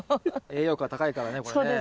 栄養価が高いからねこれね。